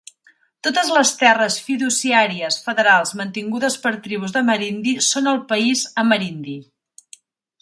Totes les terres fiduciàries federals mantingudes per tribus d'amerindis són el país amerindi.